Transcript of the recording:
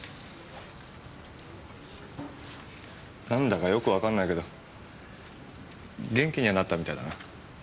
何だかよくわかんないけど元気にはなったみたいだな。